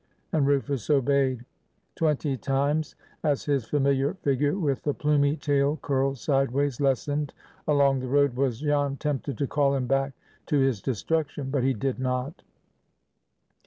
and Rufus obeyed. Twenty times, as his familiar figure, with the plumy tail curled sideways, lessened along the road, was Jan tempted to call him back to his destruction; but he did not.